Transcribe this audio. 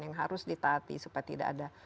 yang harus ditaati supaya tidak ada